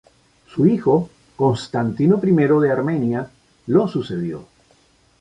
Su hijo, Constantino I de Armenia, lo sucedió.